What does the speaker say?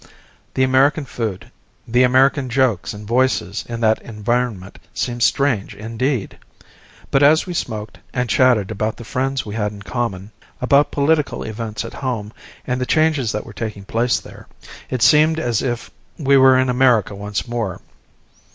The American food, the American jokes and voices in that environment seemed strange indeed! But as we smoked and chatted about the friends we had in common, about political events at home and the changes that were taking place there, it seemed as if we were in America once more.